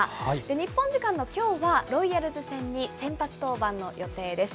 日本時間のきょうは、ロイヤルズ戦に先発登板の予定です。